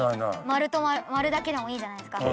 丸だけでもいいじゃないですか。